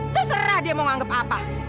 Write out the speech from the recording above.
terserah dia mau nganggep apa